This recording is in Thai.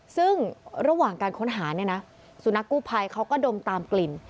ซึ่งระหว่างการค้นหาเนี่ยนะสุนัขกู้ภัยเขาก็ดมตามกลิ่น